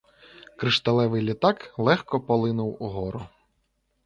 Кришталевий літак легко полинув угору.